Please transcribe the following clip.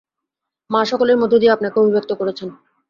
মা সকলের মধ্য দিয়েই আপনাকে অভিব্যক্ত করছেন।